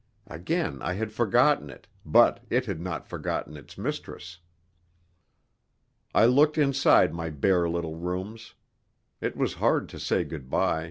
Again I had forgotten it; but it had not forgotten its mistress. I looked inside my bare little rooms. It was hard to say good by.